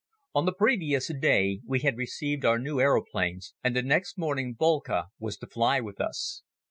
On the previous day we had received our new aeroplanes and the next morning Boelcke was to fly with us.